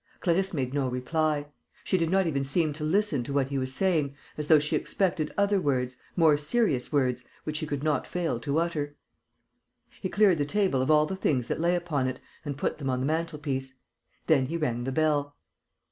Clarisse made no reply. She did not even seem to listen to what he was saying, as though she expected other words, more serious words, which he could not fail to utter. He cleared the table of all the things that lay upon it and put them on the mantel piece. Then he rang the bell.